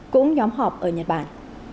cũng nhóm họp ở nhật bản